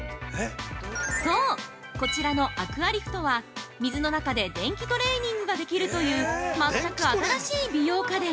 ◆そう、こちらのアクアリフトは水の中で電気トレーニングができるという全く新しい美容家電。